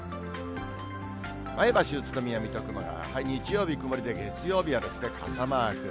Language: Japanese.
前橋、宇都宮、水戸、熊谷は、日曜日曇りで月曜日は傘マーク。